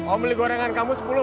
om beli gorengan kamu sepuluh